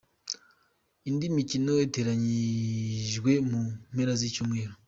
Indi mikino iteganyijwe mu mpera z’icyumweru:.